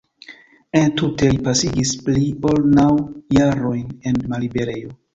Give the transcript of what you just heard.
Entute li pasigis pli ol naŭ jarojn en malliberejo.